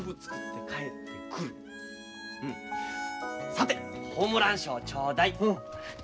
さてホームラン賞ちょうだい。